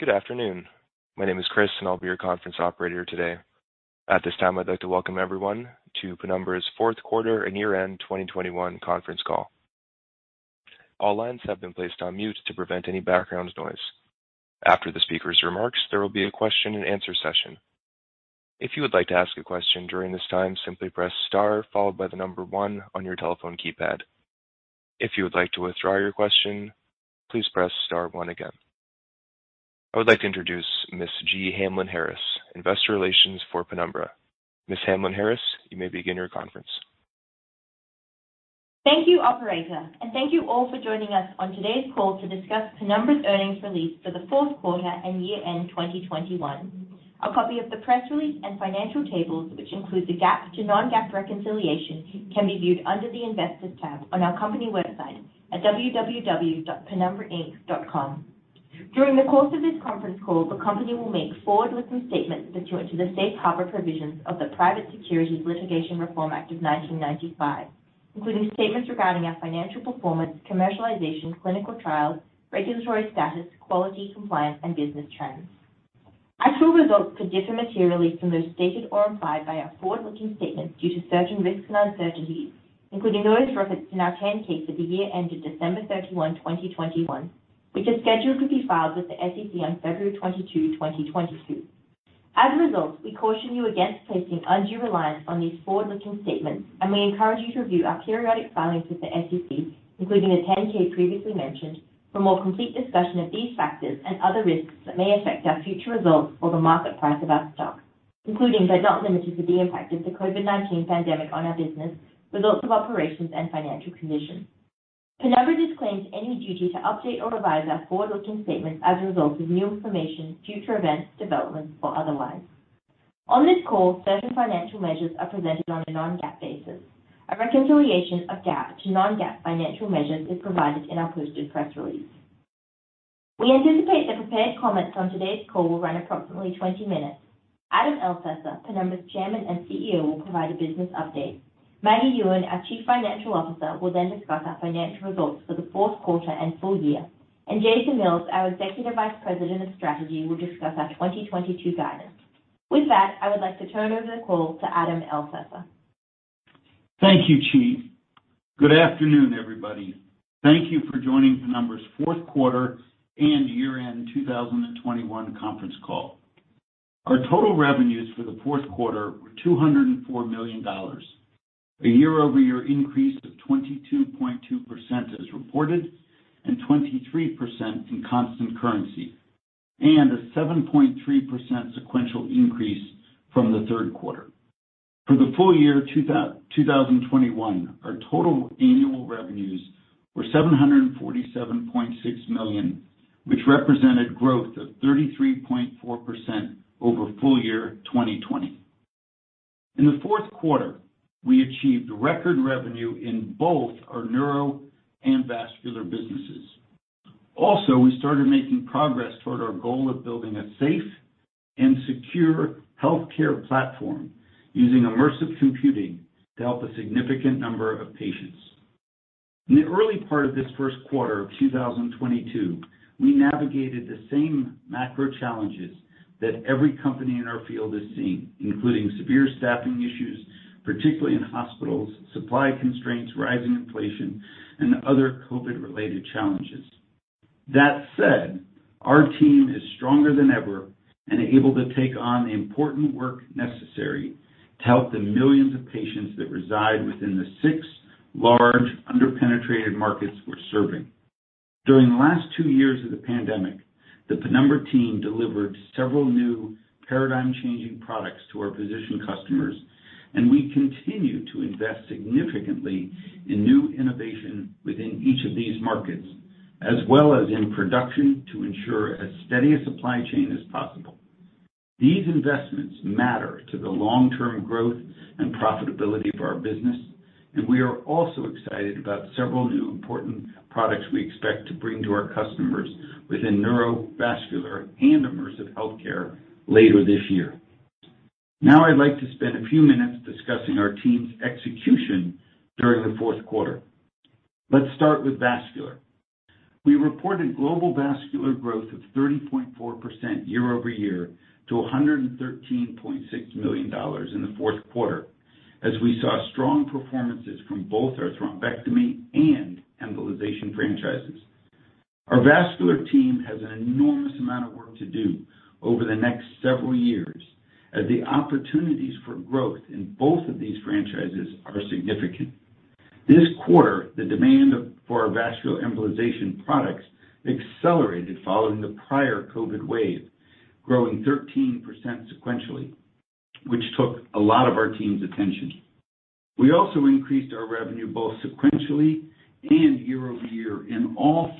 Good afternoon. My name is Chris, and I'll be your conference operator today. At this time, I'd like to welcome everyone to Penumbra's Fourth Quarter and Year-End 2021 Conference Call. All lines have been placed on mute to prevent any background noise. After the speaker's remarks, there will be a question-and-answer session. If you would like to ask a question during this time, simply press star followed by the number one on your telephone keypad. If you would like to withdraw your question, please press star one again. I would like to introduce Ms. Jee Hamlyn-Harris, Investor Relations for Penumbra. Ms. Hamlyn-Harris, you may begin your conference. Thank you, operator, and thank you all for joining us on today's call to discuss Penumbra's Earnings Release for the Fourth Quarter and Year-End 2021. A copy of the press release and financial tables, which include the GAAP to non-GAAP reconciliation, can be viewed under the Investors tab on our company website at www.penumbrainc.com. During the course of this conference call, the company will make forward-looking statements that refer to the safe harbor provisions of the Private Securities Litigation Reform Act of 1995, including statements regarding our financial performance, commercialization, clinical trials, regulatory status, quality, compliance, and business trends. Actual results could differ materially from those stated or implied by our forward-looking statements due to certain risks and uncertainties, including those referenced in our 10-K for the year ended December 31, 2021, which is scheduled to be filed with the SEC on February 22, 2022. As a result, we caution you against placing undue reliance on these forward-looking statements, and we encourage you to review our periodic filings with the SEC, including the 10-K previously mentioned, for more complete discussion of these factors and other risks that may affect our future results or the market price of our stock, including but not limited to the impact of the COVID-19 pandemic on our business, results of operations, and financial condition. Penumbra disclaims any duty to update or revise our forward-looking statements as a result of new information, future events, developments, or otherwise. On this call, certain financial measures are presented on a non-GAAP basis. A reconciliation of GAAP to non-GAAP financial measures is provided in our posted press release. We anticipate the prepared comments on today's call will run approximately 20 minutes. Adam Elsesser, Penumbra's Chairman and CEO, will provide a business update. Maggie Yuen, our Chief Financial Officer, will then discuss our financial results for the fourth quarter and full year. Jason Mills, our Executive Vice President of Strategy, will discuss our 2022 guidance. With that, I would like to turn over the call to Adam Elsesser. Thank you, Jee. Good afternoon, everybody. Thank you for joining Penumbra's Fourth Quarter and Year-End 2021 Conference Call. Our total revenues for the fourth quarter were $204 million, a year-over-year increase of 22.2% as reported and 23% in constant currency, and a 7.3% sequential increase from the third quarter. For the full year 2021, our total annual revenues were $747.6 million, which represented growth of 33.4% over full-year 2020. In the fourth quarter, we achieved record revenue in both our Neuro and Vascular businesses. Also, we started making progress toward our goal of building a safe and secure healthcare platform using immersive computing to help a significant number of patients. In the early part of this first quarter of 2022, we navigated the same macro challenges that every company in our field is seeing, including severe staffing issues, particularly in hospitals, supply constraints, rising inflation, and other COVID-related challenges. That said, our team is stronger than ever and able to take on the important work necessary to help the millions of patients that reside within the six large under-penetrated markets we're serving. During the last two years of the pandemic, the Penumbra team delivered several new paradigm-changing products to our physician customers, and we continue to invest significantly in new innovation within each of these markets, as well as in production to ensure as steady a supply chain as possible. These investments matter to the long-term growth and profitability of our business, and we are also excited about several new important products we expect to bring to our customers within Neuro, Vascular, and Immersive Healthcare later this year. Now I'd like to spend a few minutes discussing our team's execution during the fourth quarter. Let's start with Vascular. We reported global Vascular growth of 30.4% year-over-year to $113.6 million in the fourth quarter as we saw strong performances from both our Thrombectomy and Embolization franchises. Our Vascular team has an enormous amount of work to do over the next several years as the opportunities for growth in both of these franchises are significant. This quarter, the demand for our Vascular Embolization products accelerated following the prior COVID wave, growing 13% sequentially, which took a lot of our team's attention. We also increased our revenue both sequentially and year-over-year in all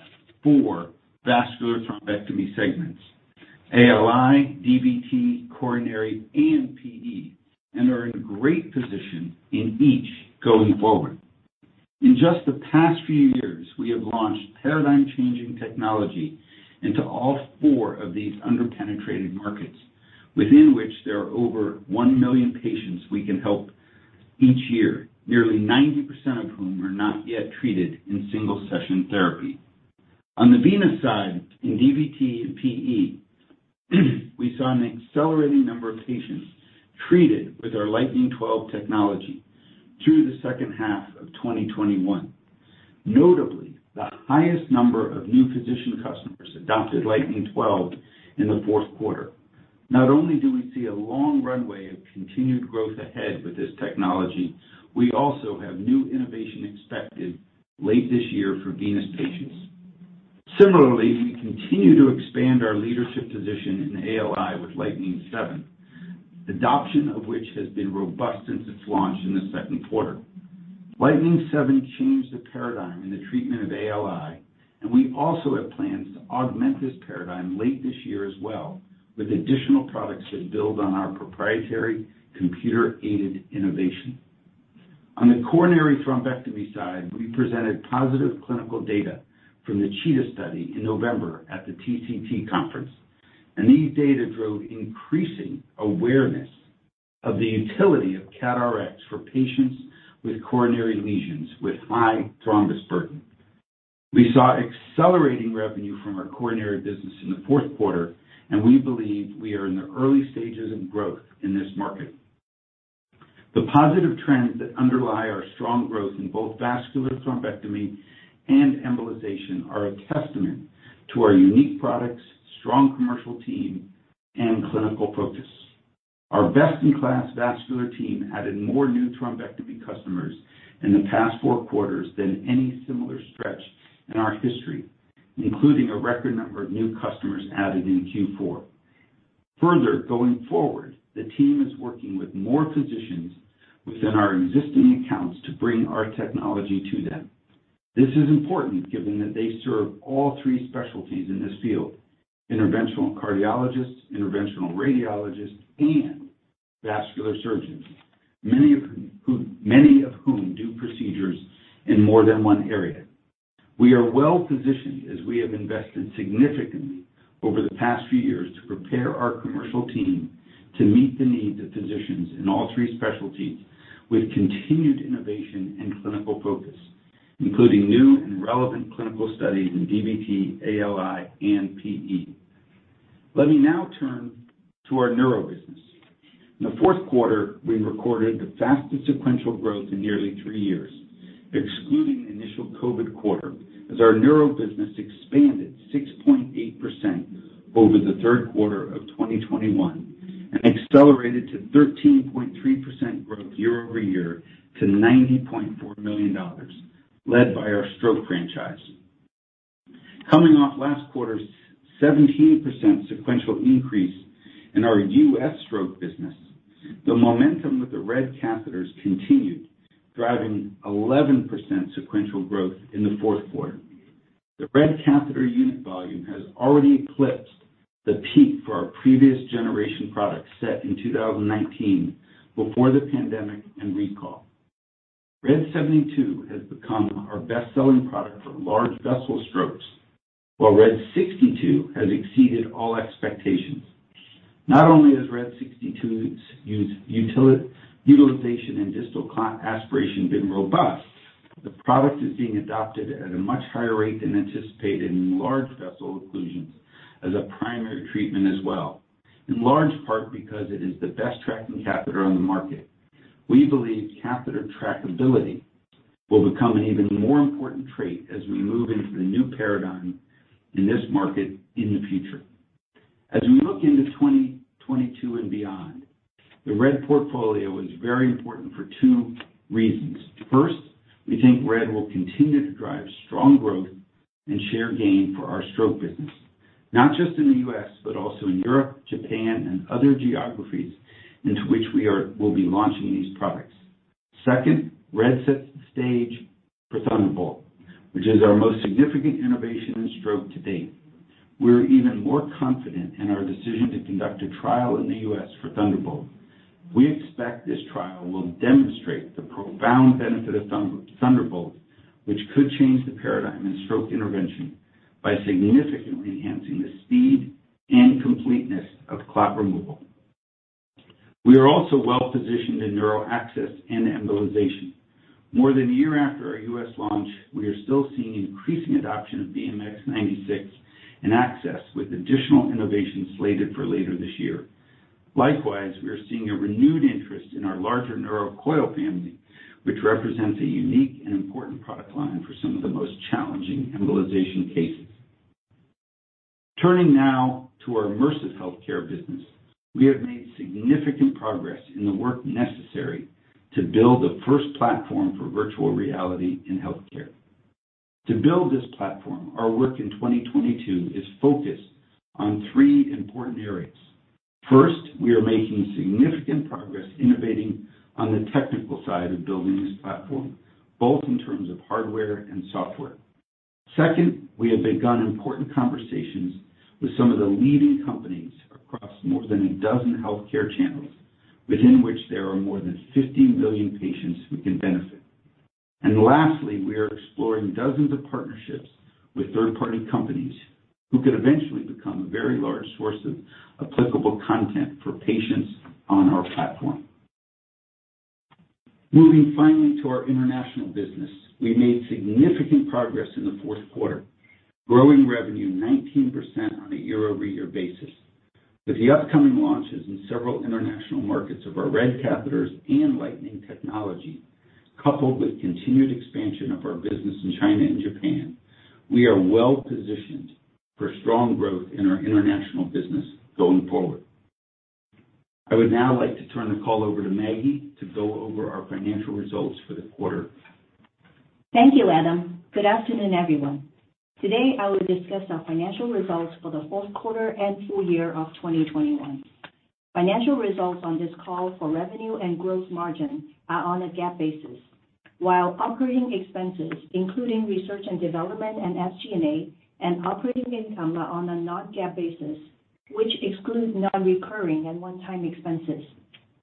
four vascular thrombectomy segments, ALI, DVT, coronary, and PE, and are in great position in each going forward. In just the past few years, we have launched paradigm-changing technology into all four of these under-penetrated markets, within which there are over 1 million patients we can help. Each year, nearly 90% of whom are not yet treated in single-session therapy. On the venous side, in DVT and PE, we saw an accelerating number of patients treated with our Lightning 12 technology through the second half of 2021. Notably, the highest number of new physician customers adopted Lightning 12 in the fourth quarter. Not only do we see a long runway of continued growth ahead with this technology, we also have new innovation expected late this year for venous patients. Similarly, we continue to expand our leadership position in ALI with Lightning 7, adoption of which has been robust since its launch in the second quarter. Lightning 7 changed the paradigm in the treatment of ALI, and we also have plans to augment this paradigm late this year as well, with additional products that build on our proprietary computer-aided innovation. On the coronary thrombectomy side, we presented positive clinical data from the CHEETAH study in November at the TCT conference, and these data drove increasing awareness of the utility of CAT RX for patients with coronary lesions with high-thrombus burden. We saw accelerating revenue from our coronary business in the fourth quarter, and we believe we are in the early stages of growth in this market. The positive trends that underlie our strong growth in both Vascular Thrombectomy and Embolization are a testament to our unique products, strong commercial team, and clinical focus. Our best-in-class Vascular team added more new thrombectomy customers in the past four quarters than any similar stretch in our history, including a record number of new customers added in Q4. Further, going forward, the team is working with more physicians within our existing accounts to bring our technology to them. This is important given that they serve all three specialties in this field, interventional cardiologists, interventional radiologists, and vascular surgeons. Many of whom do procedures in more than one area. We are well-positioned as we have invested significantly over the past few years to prepare our commercial team to meet the needs of physicians in all three specialties with continued innovation and clinical focus, including new and relevant clinical studies in DVT, ALI, and PE. Let me now turn to our Neuro business. In the fourth quarter, we recorded the fastest sequential growth in nearly three years, excluding the initial COVID quarter, as our Neuro business expanded 6.8% over the third quarter of 2021 and accelerated to 13.3% growth year-over-year to $90.4 million, led by our stroke franchise. Coming off last quarter's 17% sequential increase in our U.S. stroke business, the momentum with the RED catheters continued, driving 11% sequential growth in the fourth quarter. The RED catheter unit volume has already eclipsed the peak for our previous generation product set in 2019 before the pandemic and recall. RED 72 has become our best-selling product for large vessel strokes, while RED 62 has exceeded all expectations. Not only has RED 62's utilization in distal clot aspiration been robust, the product is being adopted at a much higher rate than anticipated in large vessel occlusions as a primary treatment as well, in large part because it is the best-tracking catheter on the market. We believe catheter trackability will become an even more important trait as we move into the new paradigm in this market in the future. As we look into 2022 and beyond, the RED portfolio is very important for two reasons. First, we think RED will continue to drive strong growth and share gain for our stroke business, not just in the U.S., but also in Europe, Japan, and other geographies into which we'll be launching these products. Second, RED sets the stage for Thunderbolt, which is our most significant innovation in stroke to date. We're even more confident in our decision to conduct a trial in the U.S. for Thunderbolt. We expect this trial will demonstrate the profound benefit of Thunderbolt, which could change the paradigm in stroke intervention by significantly enhancing the speed and completeness of clot removal. We are also well-positioned in Neuro Access and Embolization. More than a year after our U.S. launch, we are still seeing increasing adoption of BMX 96 in access, with additional innovations slated for later this year. Likewise, we are seeing a renewed interest in our larger Ruby Coil family, which represents a unique and important product line for some of the most challenging Embolization cases. Turning now to our Immersive Healthcare business. We have made significant progress in the work necessary to build the first platform for virtual reality in healthcare. To build this platform, our work in 2022 is focused on three important areas. First, we are making significant progress innovating on the technical side of building this platform, both in terms of hardware and software. Second, we have begun important conversations with some of the leading companies across more than a dozen healthcare channels within which there are more than 50 million patients who can benefit. Lastly, we are exploring dozens of partnerships with third-party companies who could eventually become a very large source of applicable content for patients on our platform. Moving finally to our international business. We made significant progress in the fourth quarter, growing revenue 19% on a year-over-year basis. With the upcoming launches in several international markets of our RED catheters and Lightning technology, coupled with continued expansion of our business in China and Japan, we are well-positioned for strong growth in our international business going forward. I would now like to turn the call over to Maggie to go over our financial results for the quarter. Thank you, Adam. Good afternoon, everyone. Today, I will discuss our financial results for the fourth quarter and full year of 2021. Financial results on this call for revenue and gross margin are on a GAAP basis, while operating expenses, including research and development and SG&A and operating income are on a non-GAAP basis, which excludes non-recurring and one-time expenses.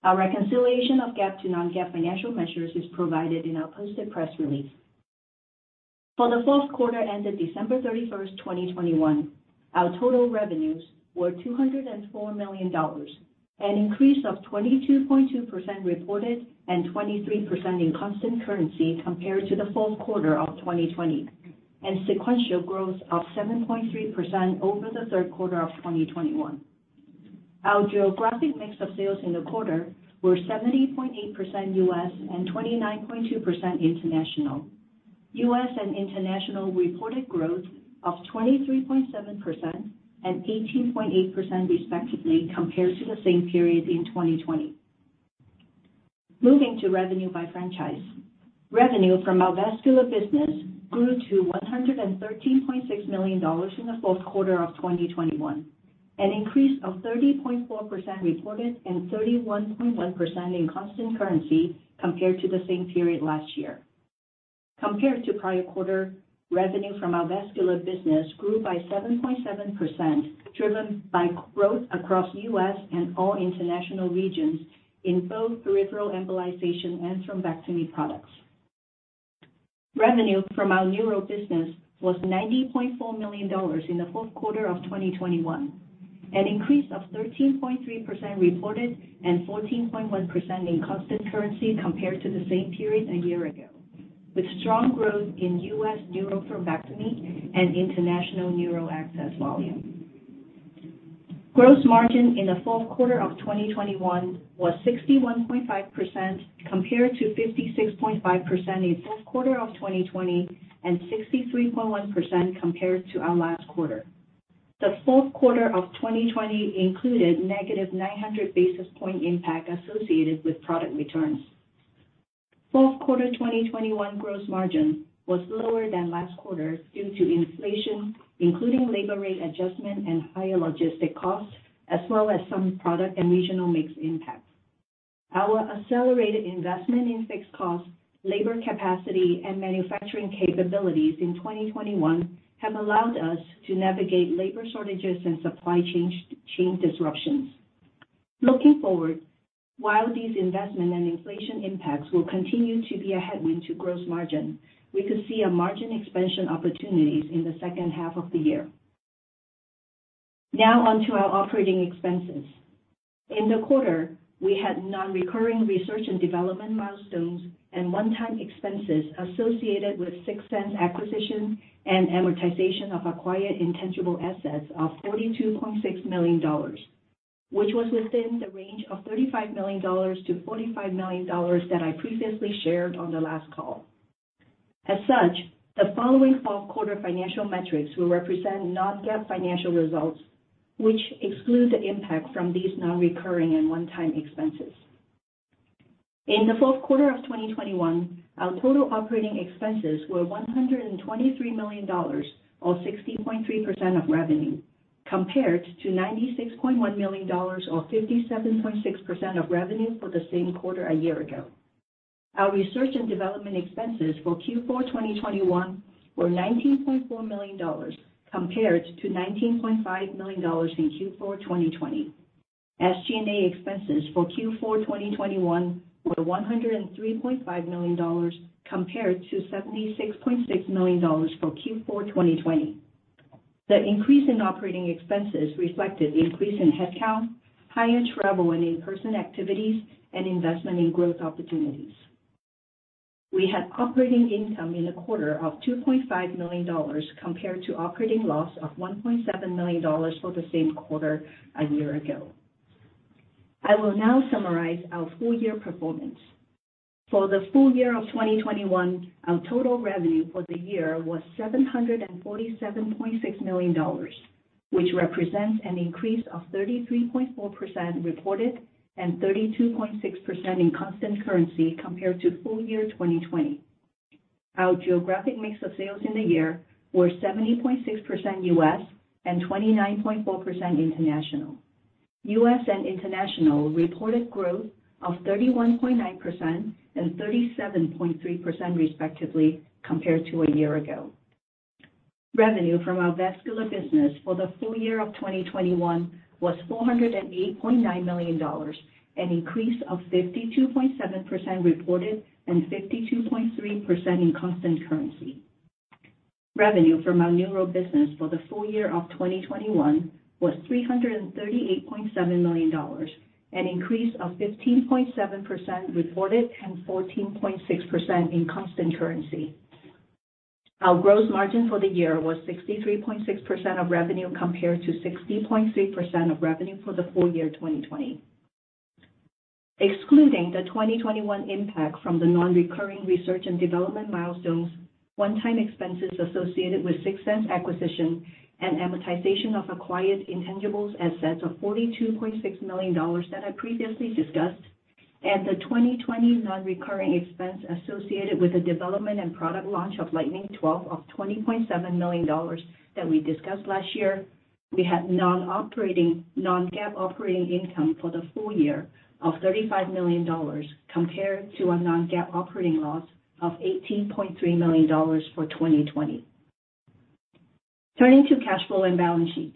A reconciliation of GAAP to non-GAAP financial measures is provided in our posted press release. For the fourth quarter ended December 31, 2021, our total revenues were $204 million, an increase of 22.2% reported and 23% in constant currency compared to the fourth quarter of 2020, and sequential growth of 7.3% over the third quarter of 2021. Our geographic mix of sales in the quarter were 70.8% U.S. and 29.2% international. U.S. and international reported growth of 23.7% and 18.8%, respectively compared to the same period in 2020. Moving to revenue by franchise. Revenue from our Vascular business grew to $113.6 million in the fourth quarter of 2021, an increase of 30.4% reported and 31.1% in constant currency compared to the same period last year. Compared to prior quarter, revenue from our Vascular business grew by 7.7%, driven by growth across U.S. and all international regions in both peripheral Embolization and Thrombectomy products. Revenue from our Neuro business was $90.4 million in the fourth quarter of 2021, an increase of 13.3% reported and 14.1% in constant currency compared to the same period a year ago, with strong growth in U.S. neuro thrombectomy and international neuro access volume. Gross margin in the fourth quarter of 2021 was 61.5% compared to 56.5% in fourth quarter of 2020 and 63.1% compared to our last quarter. The fourth quarter of 2020 included a -900 basis point impact associated with product returns. Fourth quarter 2021 gross margin was lower than last quarter due to inflation, including labor rate adjustment and higher logistics costs, as well as some product and regional mix impacts. Our accelerated investment in fixed costs, labor capacity, and manufacturing capabilities in 2021 have allowed us to navigate labor shortages and supply chain disruptions. Looking forward, while these investment and inflation impacts will continue to be a headwind to gross margin, we could see a margin expansion opportunities in the second half of the year. Now on to our operating expenses. In the quarter, we had non-recurring research and development milestones and one-time expenses associated with Sixense acquisition and amortization of acquired intangible assets of $42.6 million, which was within the range of $35 million to $45 million that I previously shared on the last call. As such, the following fourth quarter financial metrics will represent non-GAAP financial results, which exclude the impact from these non-recurring and one-time expenses. In the fourth quarter of 2021, our total operating expenses were $123 million, or 60.3% of revenue, compared to $96.1 million or 57.6% of revenue for the same quarter a year ago. Our research and development expenses for Q4 2021 were $19.4 million compared to $19.5 million in Q4 2020. SG&A expenses for Q4 2021 were $103.5 million compared to $76.6 million for Q4 2020. The increase in operating expenses reflected the increase in headcount, higher travel and in-person activities, and investment in growth opportunities. We had operating income in the quarter of $2.5 million compared to operating loss of $1.7 million for the same quarter a year ago. I will now summarize our full-year performance. For the full year of 2021, our total revenue for the year was $747.6 million, which represents an increase of 33.4% reported and 32.6% in constant currency compared to full-year, 2020. Our geographic mix of sales in the year were 70.6% U.S. and 29.4% international. U.S. and international reported growth of 31.9% and 37.3%, respectively compared to a year ago. Revenue from our Vascular business for the full year of 2021 was $408.9 million, an increase of 52.7% reported and 52.3% in constant currency. Revenue from our Neuro business for the full year of 2021 was $338.7 million, an increase of 15.7% reported and 14.6% in constant currency. Our gross margin for the year was 63.6% of revenue compared to 60.3% of revenue for the full-year 2020. Excluding the 2021 impact from the non-recurring research and development milestones, one-time expenses associated with Sixense acquisition and amortization of acquired intangible assets of $42.6 million that I previously discussed, and the 2020 non-recurring expense associated with the development and product launch of Lightning 12 of $20.7 million that we discussed last year. We had non-GAAP operating income for the full year of $35 million compared to a non-GAAP operating loss of $18.3 million for 2020. Turning to cash flow and balance sheet.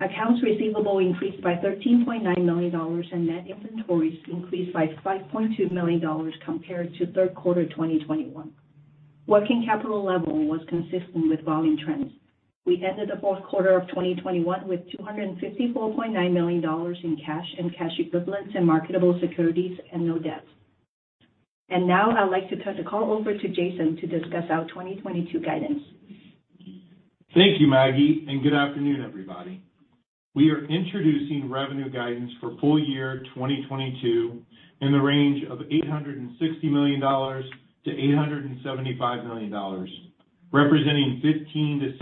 Accounts receivable increased by $13.9 million, and net inventories increased by $5.2 million compared to third quarter 2021. Working capital level was consistent with volume trends. We ended the fourth quarter of 2021 with $254.9 million in cash and cash equivalents and marketable securities and no debt. Now I'd like to turn the call over to Jason to discuss our 2022 guidance. Thank you, Maggie, and good afternoon, everybody. We are introducing revenue guidance for full year 2022 in the range of $860 million to $875 million, representing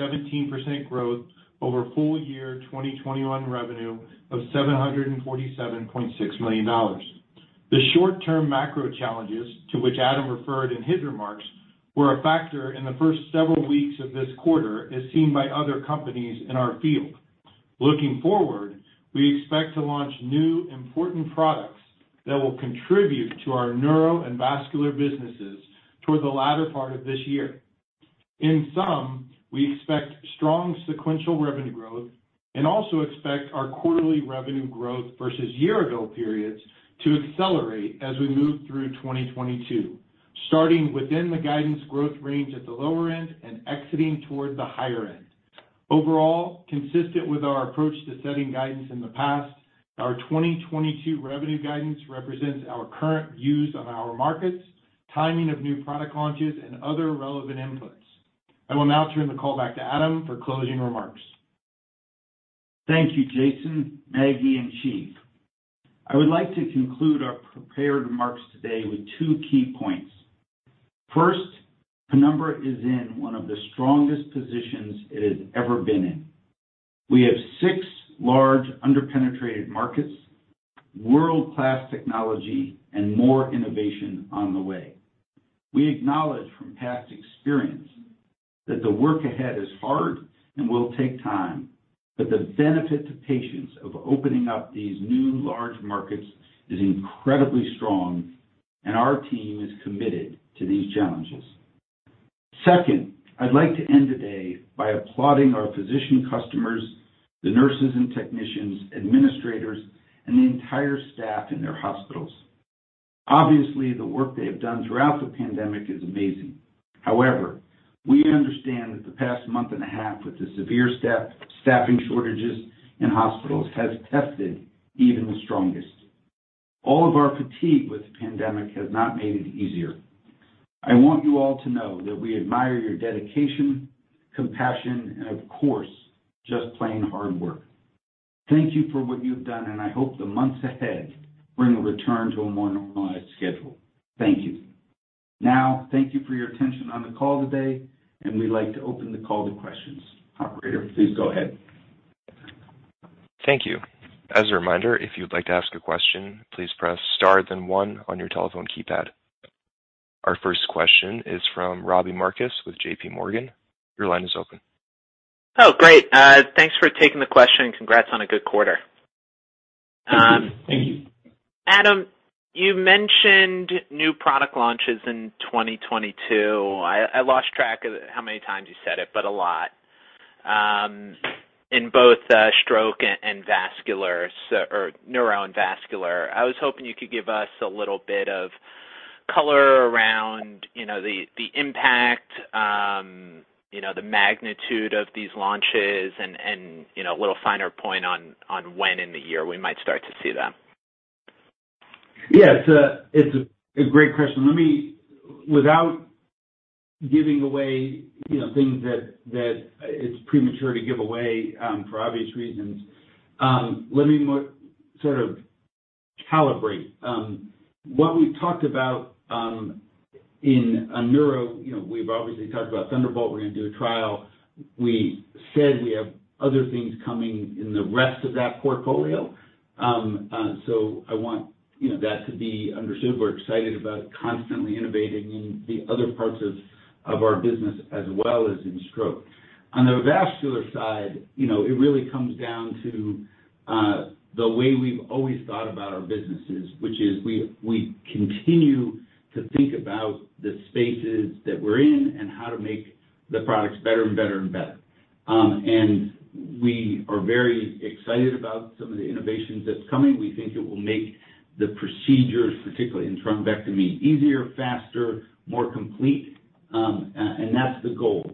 15%-17% growth over full year 2021 revenue of $747.6 million. The short-term macro challenges to which Adam referred in his remarks were a factor in the first several weeks of this quarter, as seen by other companies in our field. Looking forward, we expect to launch new important products that will contribute to our Neuro and Vascular businesses toward the latter part of this year. In sum, we expect strong sequential revenue growth and also expect our quarterly revenue growth versus year ago periods to accelerate as we move through 2022, starting within the guidance growth range at the lower end and exiting toward the higher end. Overall, consistent with our approach to setting guidance in the past, our 2022 revenue guidance represents our current views on our markets, timing of new product launches and other relevant inputs. I will now turn the call back to Adam for closing remarks. Thank you, Jason, Maggie, and Jee. I would like to conclude our prepared remarks today with two key points. First, Penumbra is in one of the strongest positions it has ever been in. We have six large under-penetrated markets, world-class technology, and more innovation on the way. We acknowledge from past experience that the work ahead is hard and will take time, but the benefit to patients of opening up these new large markets is incredibly strong, and our team is committed to these challenges. Second, I'd like to end today by applauding our physician customers, the nurses and technicians, administrators, and the entire staff in their hospitals. Obviously, the work they have done throughout the pandemic is amazing. However, we understand that the past 1.5 With the severe staffing shortages in hospitals has tested even the strongest. All of our fatigue with the pandemic has not made it easier. I want you all to know that we admire your dedication, compassion, and of course, just plain hard work. Thank you for what you've done, and I hope the months ahead bring a return to a more normalized schedule. Thank you. Now, thank you for your attention on the call today, and we'd like to open the call to questions. Operator, please go ahead. Thank you. As a reminder, if you'd like to ask a question, please press star then 1 on your telephone keypad. Our first question is from Robbie Marcus with JPMorgan. Your line is open. Great. Thanks for taking the question and congrats on a good quarter. Thank you. Adam, you mentioned new product launches in 2022. I lost track of how many times you said it, but a lot, in both Stroke and Vascular so or Neuro and Vascular. I was hoping you could give us a little bit of color around the impact the magnitude of these launches and a little finer point on when in the year we might start to see them. It's a great question. Let me without giving away, you know, things that it's premature to give away, for obvious reasons, let me more sort of calibrate. What we talked about in Neuro, we've obviously talked about Thunderbolt. We're going to do a trial. We said we have other things coming in the rest of that portfolio. I want that to be understood. We're excited about constantly innovating in the other parts of our business as well as in stroke. On the Vascular side, it really comes down to the way we've always thought about our businesses, which is we continue to think about the spaces that we're in and how to make the products better and better and better. We are very excited about some of the innovations that's coming. We think it will make the procedures, particularly in thrombectomy, easier, faster, more complete. That's the goal,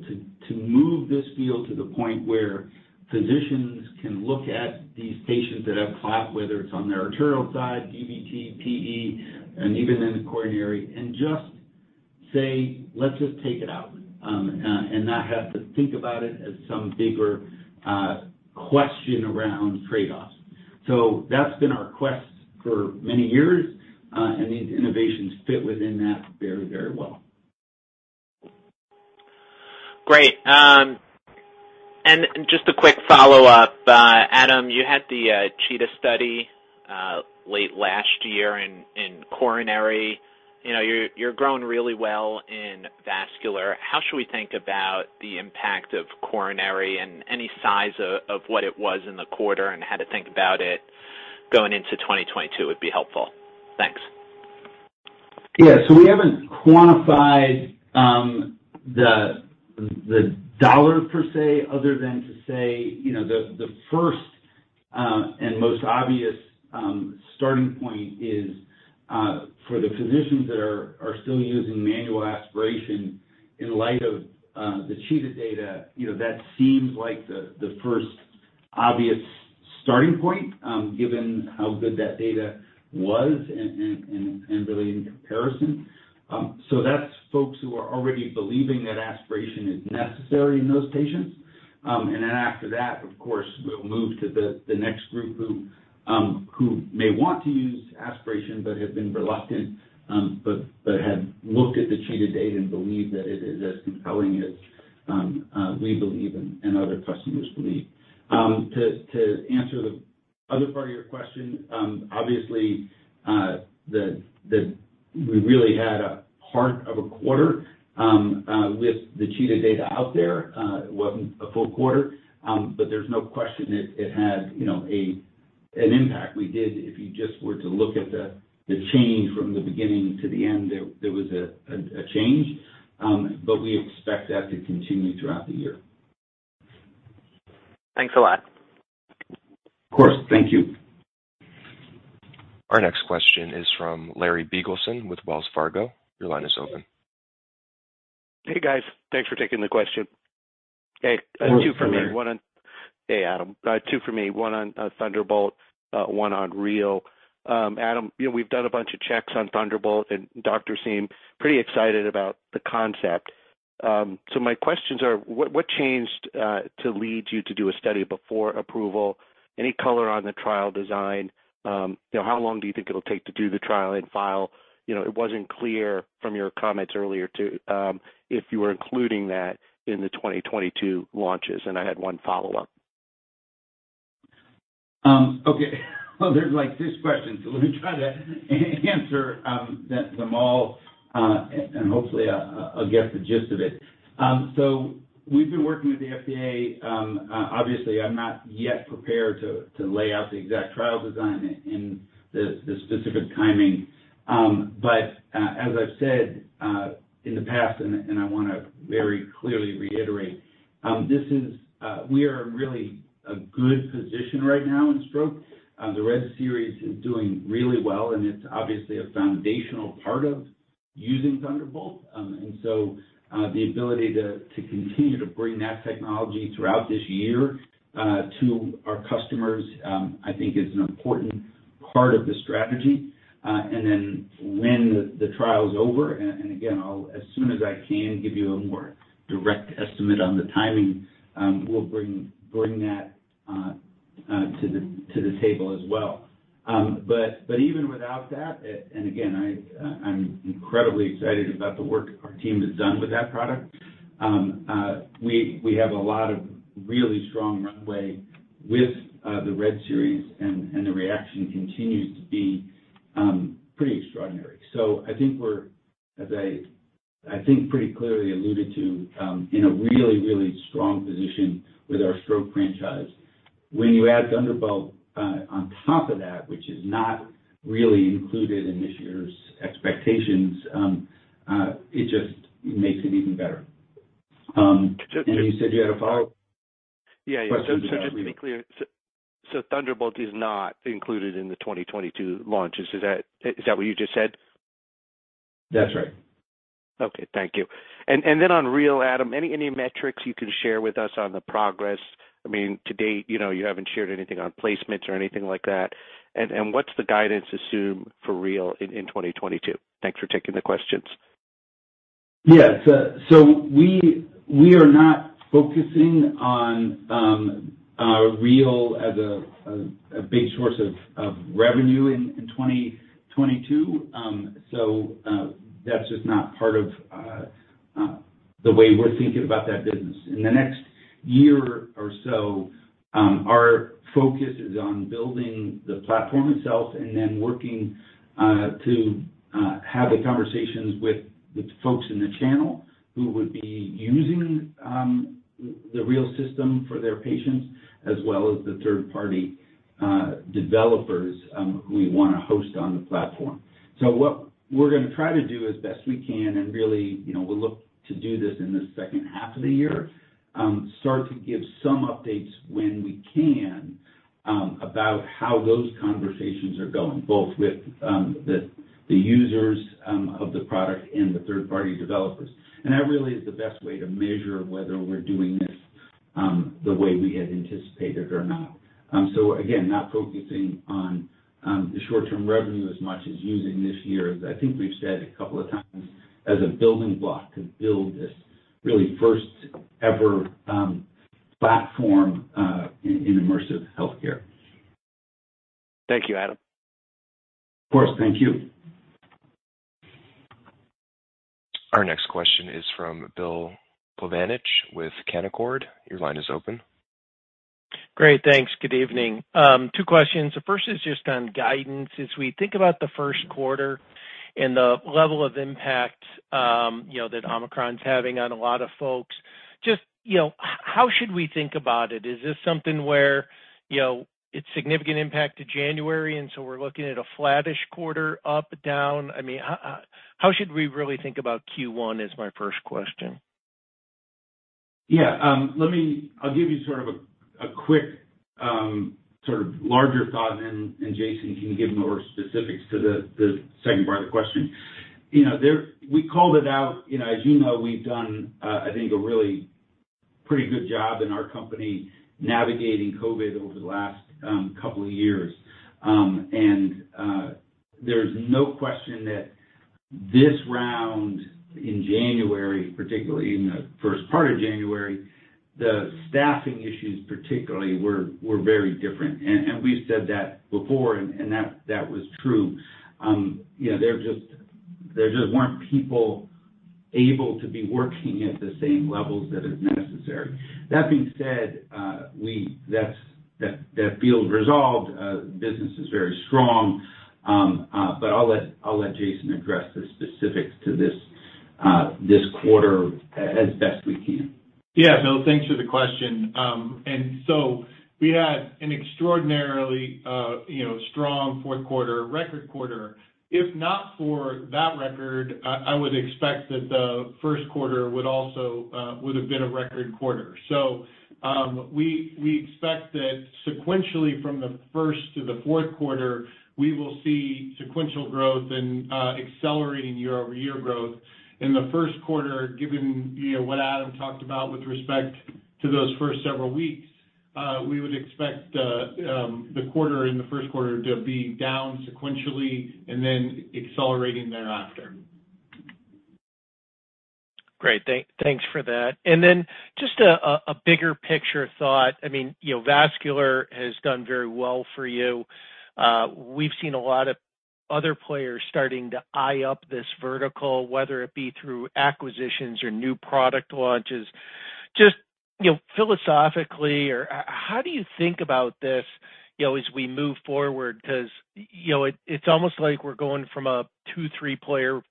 to move this field to the point where physicians can look at these patients that have clot, whether it's on their arterial side, DVT, PE, and even in the coronary, and just say, "Let's just take it out," and not have to think about it as some bigger question around trade-offs. That's been our quest for many years, and these innovations fit within that very, very well. Great. Just a quick follow-up, Adam, you had the CHEETAH study late last year in coronary. You're growing really well in Vascular. How should we think about the impact of coronary and any size of what it was in the quarter, and how to think about it going into 2022 would be helpful. Thanks. We haven't quantified the dollar per se, other than to say the first and most obvious starting point is for the physicians that are still using manual aspiration in light of the CHEETAH data that seems like the first obvious starting point, given how good that data was and really in comparison. That's folks who are already believing that aspiration is necessary in those patients. After that, of course, we'll move to the next group who may want to use aspiration but have been reluctant, but have looked at the CHEETAH data and believe that it is as compelling as we believe and other customers believe. To answer the other part of your question, obviously, we really had a part of a quarter with the CHEETAH data out there. It wasn't a full quarter, but there's no question it had an impact. If you just were to look at the change from the beginning to the end, there was a change, but we expect that to continue throughout the year. Thanks a lot. Of course. Thank you. Our next question is from Larry Biegelsen with Wells Fargo. Your line is open. Hey, guys. Thanks for taking the question. Hey, Larry. Hey, Adam. Two for me, one on Thunderbolt, one on REAL. Adam, we've done a bunch of checks on Thunderbolt, and doctors seem pretty excited about the concept. So my questions are, what changed to lead you to do a study before approval? Any color on the trial design? You know, how long do you think it'll take to do the trial and file? You know, it wasn't clear from your comments earlier if you were including that in the 2022 launches. I had one follow-up. Okay. Well, there's like six questions, so let me try to answer them all, and hopefully I'll get the gist of it. We've been working with the FDA. Obviously, I'm not yet prepared to lay out the exact trial design and the specific timing. As I've said in the past, and I wanna very clearly reiterate, we are in really a good position right now in stroke. The RED series is doing really well, and it's obviously a foundational part of using Thunderbolt. The ability to continue to bring that technology throughout this year to our customers, I think is an important part of the strategy. When the trial's over, and again, I'll as soon as I can give you a more direct estimate on the timing, we'll bring that to the table as well. Even without that, and again, I'm incredibly excited about the work our team has done with that product. We have a lot of really strong runway with the RED series and the reaction continues to be pretty extraordinary. I think we're, as I think pretty clearly alluded to, in a really strong position with our stroke franchise. When you add Thunderbolt on top of that, which is not really included in this year's expectations, it just makes it even better. You said you had a follow-up? Question about REAL? Just to be clear, so Thunderbolt is not included in the 2022 launches. Is that what you just said? That's right. Okay. Thank you. Then on REAL, Adam, any metrics you can share with us on the progress? I mean, to date you haven't shared anything on placements or anything like that. What's the guidance assumed for REAL in 2022? Thanks for taking the questions. We are not focusing on REAL as a big source of revenue in 2022. That's just not part of the way we're thinking about that business. In the next year or so, our focus is on building the platform itself and then working to have the conversations with the folks in the channel who would be using the REAL system for their patients, as well as the third-party developers who we wanna host on the platform. What we're gonna try to do as best we can and really, you know, we'll look to do this in the second half of the year, start to give some updates when we can, about how those conversations are going, both with the users of the product and the third-party developers. That really is the best way to measure whether we're doing this, the way we had anticipated or not. Again, not focusing on the short-term revenue as much as using this year, as I think we've said a couple of times, as a building block to build this really first-ever platform in Immersive Healthcare. Thank you, Adam. Of course. Thank you. Our next question is from Bill Plovanic with Canaccord. Your line is open. Great. Thanks. Good evening. Two questions. The first is just on guidance. As we think about the first quarter and the level of impact that Omicron's having on a lot of folks, just how should we think about it? Is this something where it's significant impact to January, and so we're looking at a flattish quarter, up, down? How should we really think about Q1? Is my first question. Let me give you a quick sort of larger thought, and Jason can give more specifics to the second part of the question. We called it out. As you know, we've done I think a really pretty good job in our company navigating COVID over the last couple of years. There's no question that this round in January, particularly in the first part of January, the staffing issues particularly were very different. We've said that before, and that was true. There just weren't people able to be working at the same levels that is necessary. That being said, that feels resolved. Business is very strong. I'll let Jason address the specifics to this quarter as best we can. No, thanks for the question. We had an extraordinarily, you know, strong fourth quarter, record quarter. If not for that record, I would expect that the first quarter would also have been a record quarter. We expect that sequentially from the first to the fourth quarter, we will see sequential growth and accelerating year-over-year growth. In the first quarter, given, you know, what Adam talked about with respect to those first several weeks, we would expect the quarter in the first quarter to be down sequentially and then accelerating thereafter. Great. Thanks for that. Just a bigger picture thought. Vascular has done very well for you. We've seen a lot of other players starting to eye up this vertical, whether it be through acquisitions or new product launches. Just philosophically or how do you think about this as we move forward? 'Cause it's almost like we're going from a 2-3-player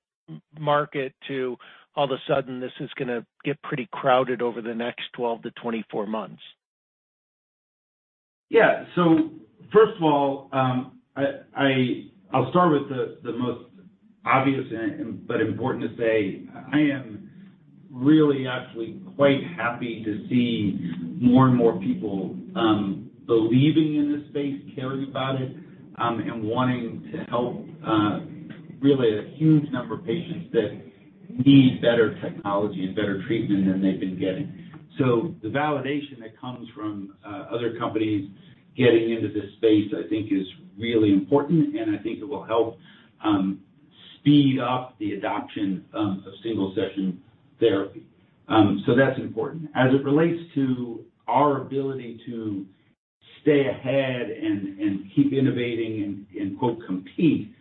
market to all of a sudden, this is gonna get pretty crowded over the next 12-24 months. First of all, I'll start with the most obvious but important to say, I am really actually quite happy to see more and more people believing in this space, caring about it, and wanting to help really a huge number of patients that need better technology and better treatment than they've been getting. The validation that comes from other companies getting into this space, I think is really important, and I think it will help speed up the adoption of single-session therapy. That's important. As it relates to our ability to stay ahead and keep innovating and quote, "compete,"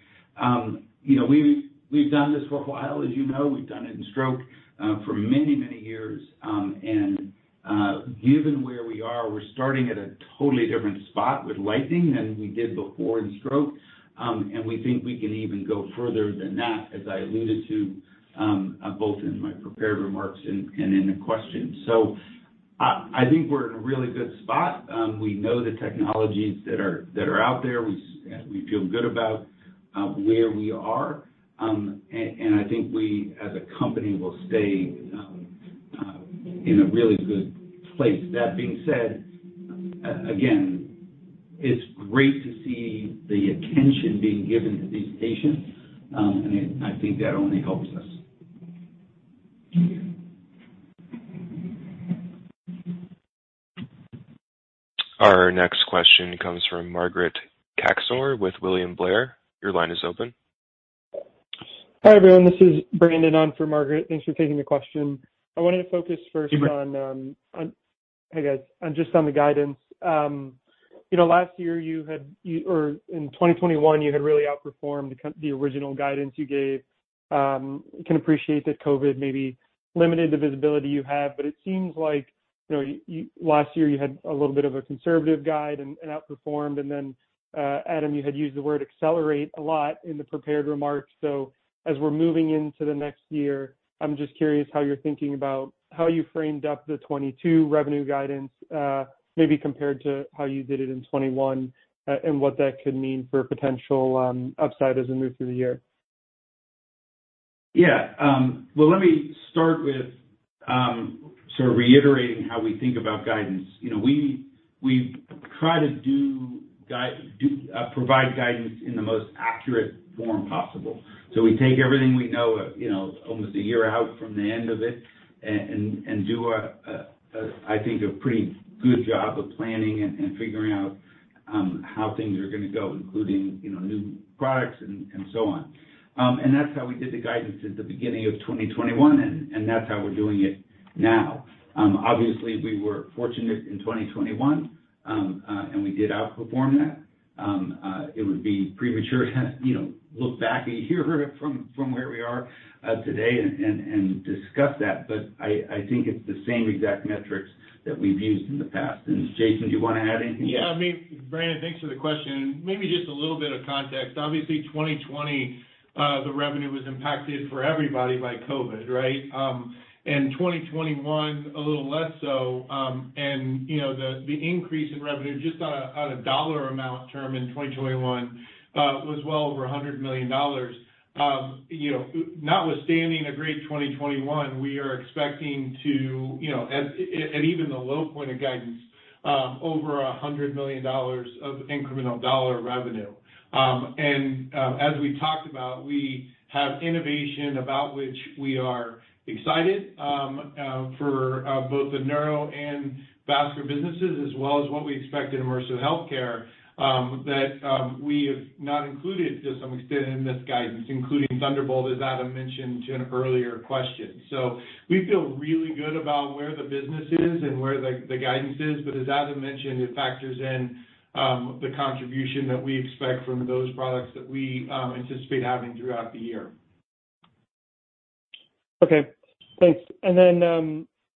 you know, we've done this for a while. As you know, we've done it in stroke for many years. Given where we are, we're starting at a totally different spot with Lightning than we did before in stroke. We think we can even go further than that, as I alluded to, both in my prepared remarks and in the question. I think we're in a really good spot. We know the technologies that are out there. We feel good about where we are. I think we as a company will stay in a really good place. That being said, again, it's great to see the attention being given to these patients, and I think that only helps us. Our next question comes from Margaret Kaczor with William Blair. Your line is open. Hi, everyone. This is Brandon on for Margaret. Thanks for taking the question. Hey, guys. Just on the guidance. Last year you had or in 2021, you had really outperformed the original guidance you gave. Can appreciate that COVID maybe limited the visibility you have, but it seems like last year you had a little bit of a conservative guide and outperformed. Then, Adam, you had used the word accelerate a lot in the prepared remarks. As we're moving into the next year, I'm just curious how you're thinking about how you framed up the '22 revenue guidance, maybe compared to how you did it in '21, and what that could mean for potential upside as we move through the year. Well, let me start with sort of reiterating how we think about guidance. We try to provide guidance in the most accurate form possible. We take everything we know almost a year out from the end of it and do, I think, a pretty good job of planning and figuring out how things are gonna go, including, you know, new products and so on. That's how we did the guidance at the beginning of 2021 and that's how we're doing it now. Obviously we were fortunate in 2021 and we did outperform that. It would be premature to you know look back a year from where we are today and discuss that. I think it's the same exact metrics that we've used in the past. Jason, do you wanna add anything else? Brandon, thanks for the question. Maybe just a little bit of context. Obviously, 2020, the revenue was impacted for everybody by COVID, right? In 2021, a little less so. The increase in revenue just on a dollar amount term in 2021 was well over $100 million. Notwithstanding a great 2021, we are expecting to at even the low point of guidance, over $100 million of incremental dollar revenue. As we talked about, we have innovation about which we are excited for both the Neuro and Vascular businesses as well as what we expect in Immersive Healthcare that we have not included to some extent in this guidance, including Thunderbolt, as Adam mentioned to an earlier question. We feel really good about where the business is and where the guidance is, but as Adam mentioned, it factors in the contribution that we expect from those products that we anticipate having throughout the year. Okay, thanks.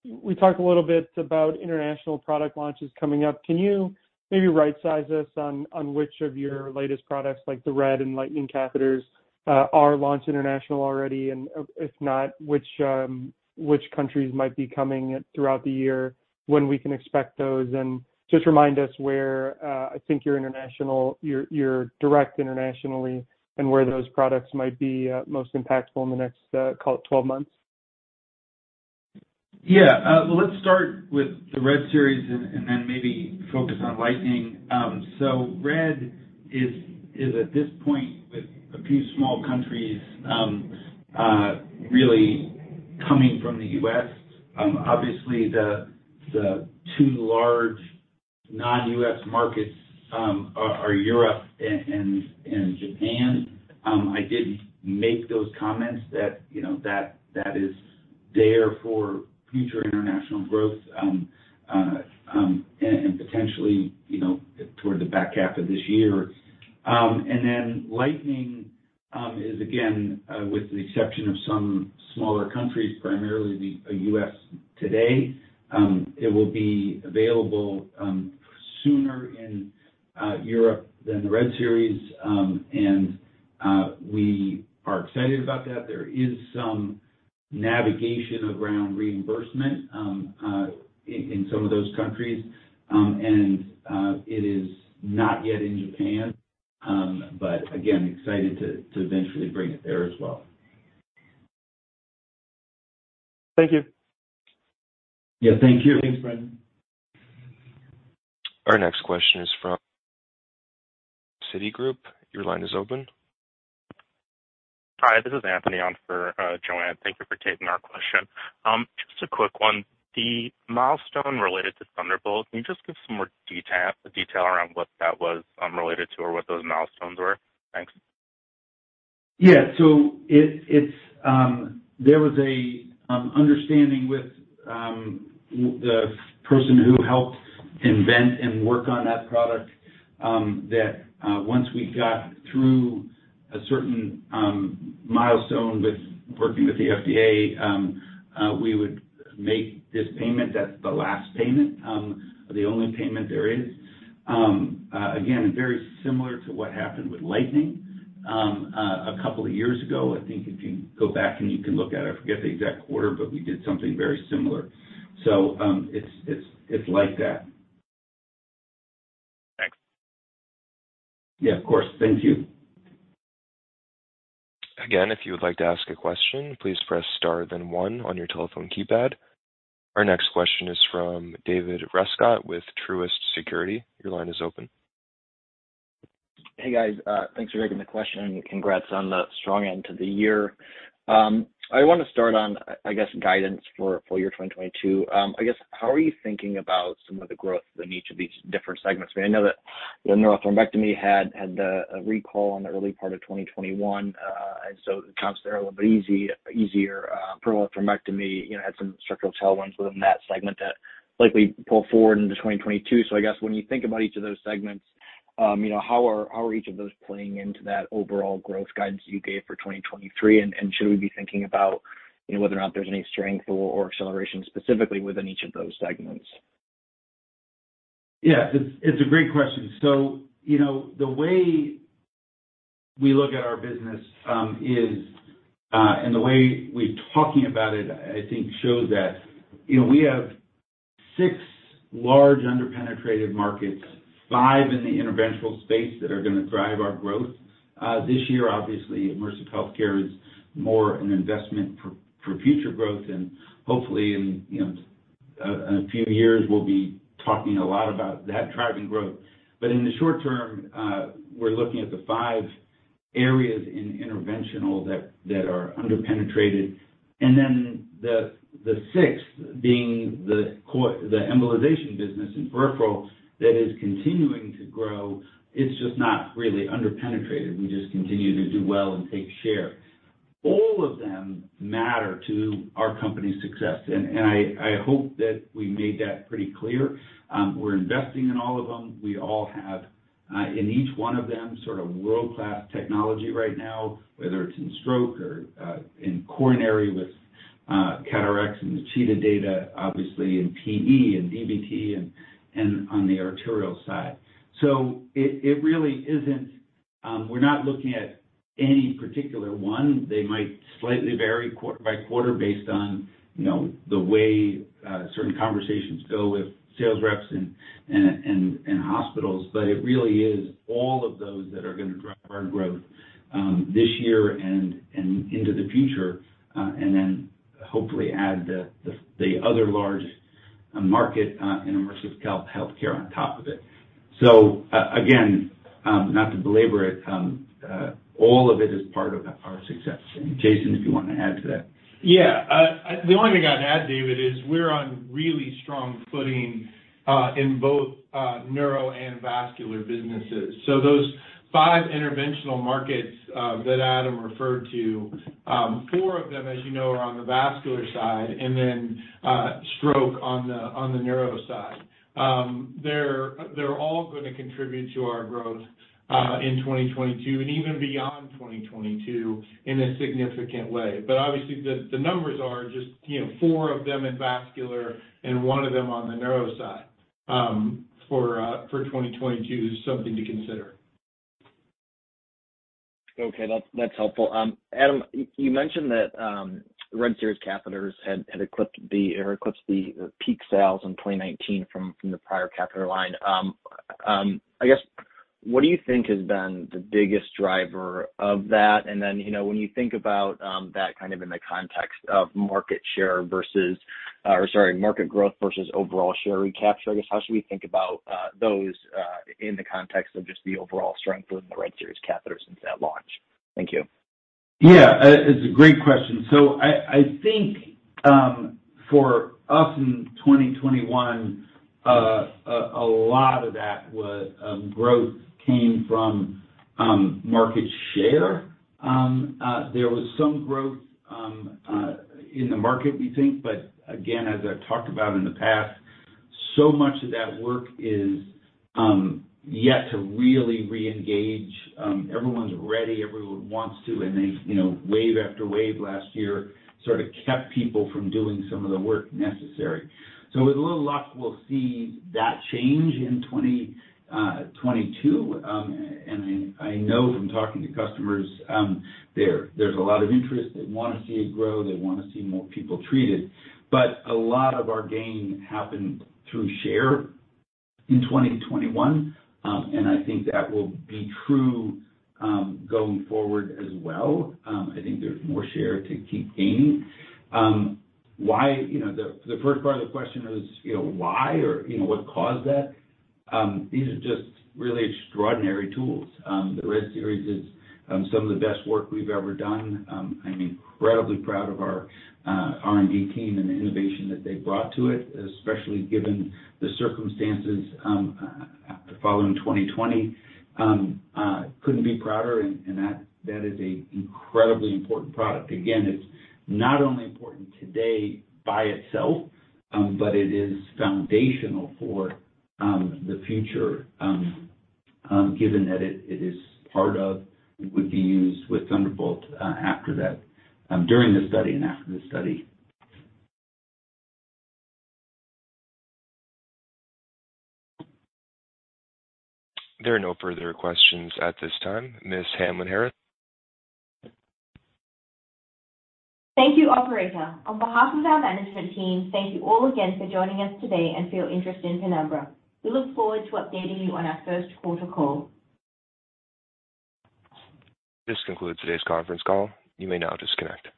We talked a little bit about international product launches coming up. Can you maybe right-size us on which of your latest products like the RED and Lightning catheters are launched internationally already? If not, which countries might be coming throughout the year, when we can expect those? Just remind us where I think your international, your direct internationally and where those products might be most impactful in the next call it 12 months. Let's start with the RED series and then maybe focus on Lightning. RED is at this point with a few small countries, really coming from the U.S. Obviously, the two large non-U.S. markets are Europe and Japan. I did make those comments that that is there for future international growth and potentially toward the back half of this year. Lightning is again, with the exception of some smaller countries, primarily the U.S. today. It will be available sooner in Europe than the RED series. We are excited about that. There is some navigation around reimbursement in some of those countries. It is not yet in Japan. Again, excited to eventually bring it there as well. Thank you. Thank you. Thanks, Brandon. Our next question is from Citigroup. Your line is open. Hi, this is Anthony on for, Joanne. Thank you for taking our question. Just a quick one. The milestone related to Thunderbolt, can you just give some more detail around what that was, related to or what those milestones were? Thanks. There was an understanding with the person who helped invent and work on that product that once we got through a certain milestone with working with the FDA, we would make this payment. That's the last payment, the only payment there is. Again, very similar to what happened with Lightning a couple of years ago. I think if you go back and you can look at it, I forget the exact quarter, but we did something very similar. It's like that. Thanks. Of course. Thank you. Again, if you would like to ask a question, please press star then one on your telephone keypad. Our next question is from David Rescott with Truist Securities. Your line is open. Hey, guys. Thanks for taking the question, and congrats on the strong end to the year. I wanna start on guidance for full year 2022. How are you thinking about some of the growth in each of these different segments I know that the neurothrombectomy had a recall in the early part of 2021. It accounts for a little bit easier peripheral thrombectomy, you know, had some structural tailwinds within that segment that likely pull forward into 2022. When you think about each of those segments how are each of those playing into that overall growth guidance you gave for 2023? Should we be thinking about whether or not there's any strength or acceleration specifically within each of those segments? It's a great question. The way we look at our business is and the way we're talking about it, I think shows that we have six large under-penetrated markets, five in the interventional space that are gonna drive our growth. This year, obviously, Immersive Healthcare is more an investment for future growth and hopefully in a few years we'll be talking a lot about that driving growth. In the short term, we're looking at the five areas in interventional that are under-penetrated. Then the 6th being the Embolization business in peripheral that is continuing to grow, it's just not really under-penetrated. We just continue to do well and take share. All of them matter to our company's success, and I hope that we made that pretty clear. We're investing in all of them. We all have in each one of them sort of world-class technology right now, whether it's in stroke or in coronary with CAT RX and the CHEETAH data, obviously in PE and DVT and on the arterial side. It really isn't. We're not looking at any particular one. They might slightly vary quarter by quarter based on you know the way certain conversations go with sales reps and hospitals. It really is all of those that are gonna drive our growth this year and into the future and then hopefully add the other large market in Immersive Healthcare on top of it. Again, not to belabor it, all of it is part of our success. Jason, if you wanna add to that. The only thing I'd add, David, is we're on really strong footing in both Neuro and Vascular businesses. Those five interventional markets that Adam referred to, four of them, as you know, are on the Vascular side and then stroke on the Neuro side. They're all gonna contribute to our growth in 2022 and even beyond 2022 in a significant way. Obviously, the numbers are just four of them in Vascular and one of them on the Neuro side for 2022 is something to consider. Okay. That's helpful. Adam, you mentioned that RED Series catheters had eclipsed the peak sales in 2019 from the prior catheter line. What do you think has been the biggest driver of that? When you think about that in the context of market share versus or sorry, market growth versus overall share recapture how should we think about those in the context of just the overall strength of the RED Series catheter since that launch? Thank you. It's a great question. I think for us in 2021 a lot of that growth came from market share. There was some growth in the market, we think, but again, as I've talked about in the past, so much of that work is yet to really reengage. Everyone's ready, everyone wants to, and they wave after wave last year sort of kept people from doing some of the work necessary. With a little luck, we'll see that change in 2022. I know from talking to customers that there's a lot of interest. They wanna see it grow. They wanna see more people treated. A lot of our gain happened through share in 2021, and I think that will be true, going forward as well. I think there's more share to keep gaining. Why the first part of the question is why or what caused that? These are just really extraordinary tools. The RED Series is some of the best work we've ever done. I'm incredibly proud of our R&D team and the innovation that they've brought to it, especially given the circumstances following 2020. Couldn't be prouder and that is a incredibly important product. Again, it's not only important today by itself, but it is foundational for the future, given that it is part of and would be used with Thunderbolt, after that, during the study and after the study. There are no further questions at this time. Ms. Hamlyn-Harris? Thank you, operator. On behalf of our Management Team, thank you all again for joining us today and for your interest in Penumbra. We look forward to updating you on our first quarter call. This concludes today's conference call. You may now disconnect.